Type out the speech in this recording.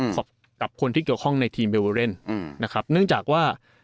อืมกับคนที่เกี่ยวข้องในทีมอืมนะครับเนื่องจากว่า